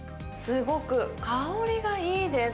すごく香りがいいです。